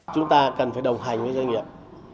chúng ta cần phải đồng hành với doanh nghiệp